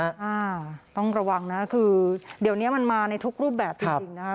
อ่าต้องระวังนะคือเดี๋ยวนี้มันมาในทุกรูปแบบจริงจริงนะคะ